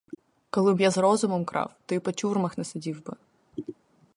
Коли б я з розумом крав, то й по тюрмах не сидів би.